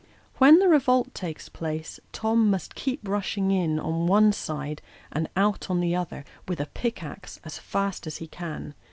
When the revolt takes place, Tom must keep rushing in on one side and out on the other, with a pickaxe, as fast as ho can.